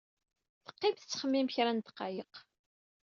Teqqim tetxemmim kra n ddqayeq.